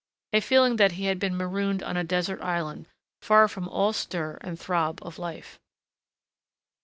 A feeling that he had been marooned on a desert island, far from all stir and throb of life.